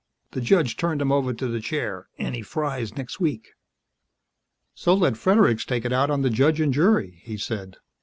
The judge turned him over to the chair, and he fries next week." "So let Fredericks take it out on the judge and jury," he'd said.